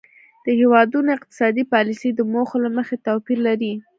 د هیوادونو اقتصادي پالیسۍ د موخو له مخې توپیر لري